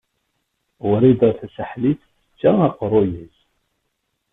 Wrida Tasaḥlit tečča aqeṛṛuy-is.